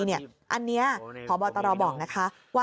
อันตรีนี้ขอบรรตรวบออกนะคะ